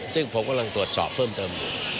ซึ่งผมกำลังตรวจสอบเพิ่มเติม